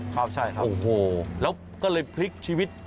ครับใช่ครับโอ้โหแล้วก็เลยพลิกชีวิต